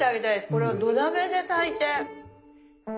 これは土鍋で炊いて。